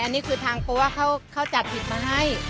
อันนี้คือทางเพราะว่าเขาจัดผิดมาให้